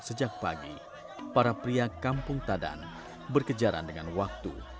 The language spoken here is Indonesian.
sejak pagi para pria kampung tadan berkejaran dengan waktu